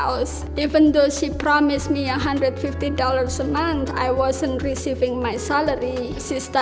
meskipun dia berjanji saya satu ratus lima puluh dolar sebulan saya tidak menerima salari saya